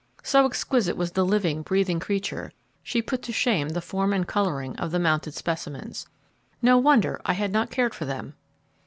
So exquisite was the living, breathing creature, she put to shame the form and colouring of the mounted specimens. No wonder I had not cared for them!